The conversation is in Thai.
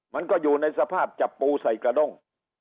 มันก็อยู่ในสภาพจับปูใส่กระด้ง